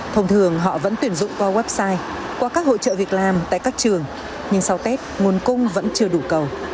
thông thường họ vẫn tuyển dụng qua website qua các hỗ trợ việc làm tại các trường nhưng sau tết nguồn cung vẫn chưa đủ cầu